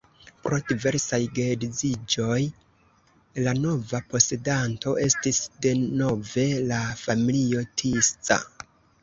Pro diversaj geedziĝoj la nova posedanto estis denove la familio Tisza.